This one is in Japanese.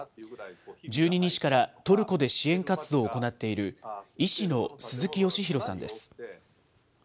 １２日からトルコで支援活動を行っている、医師の鈴記好博さんです。